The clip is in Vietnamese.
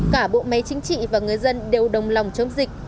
cả bộ máy chính trị và người dân đều đồng lòng chống dịch